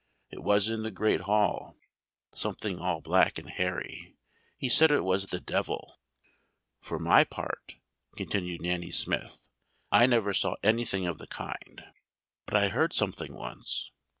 It was in the great hall something all black and hairy, he said it was the devil. "For my part," continued Nanny Smith, "I never saw anything of the kind but I heard something once.